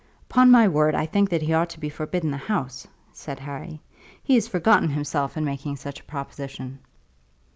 "Upon my word I think that he ought to be forbidden the house," said Harry. "He has forgotten himself in making such a proposition."